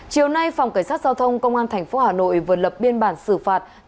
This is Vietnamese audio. chiều nay phòng cảnh sát giao thông công an tp hà nội vừa lập biên bản xử phạt